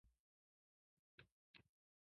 月曜日は忙しいから、ちょっと憂鬱だわ。